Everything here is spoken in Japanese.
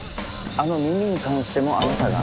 あの耳に関してもあなたが？